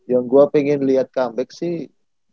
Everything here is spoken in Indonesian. yang gue pengen lihat comeback sih